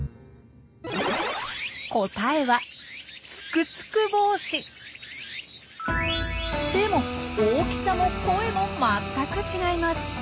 答えはでも大きさも声も全く違います。